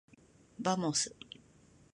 ばもす。